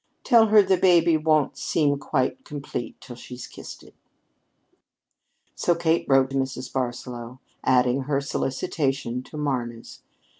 Tell her the baby won't seem quite complete till she's kissed it." So Kate wrote Mrs. Barsaloux, adding her solicitation to Marna's.